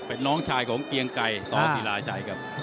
เป็นน้องชายของเกียงไก่สศิลาชัยครับ